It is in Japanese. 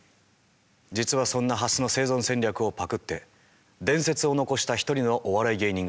実はそんなハスの生存戦略をパクって伝説を残した一人のお笑い芸人がいます。